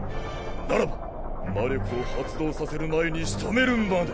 ならば魔力を発動させる前にしとめるまで。